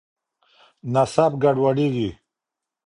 نسب ګډوډېږي.